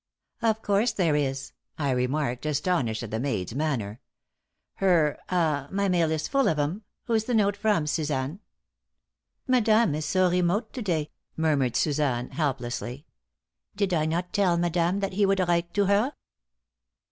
"Of course there is," I remarked, astonished at the maid's manner. "Her ah my mail is full of 'em. Who's the note from, Suzanne?" "Madame is so remote to day!" murmured Suzanne, helplessly. "Did I not tell madame that he would write to her?"